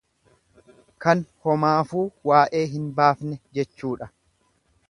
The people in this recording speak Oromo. Kan homaafuu waa'ee hin baafne jechuudha.